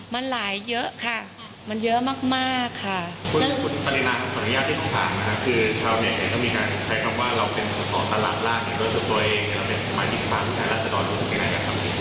คุณชาวเนี่ยก็มีค่าไขคำว่าเราเป็นทักษะรักด้วยช่วงตัวเอง